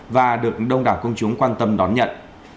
và được đông đảo công chúng quan tâm đón nhận